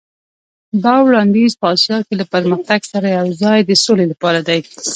دا وړاندیز په اسیا کې له پرمختګ سره یو ځای د سولې لپاره دی.